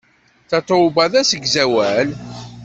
Tatoeba d asegzawal.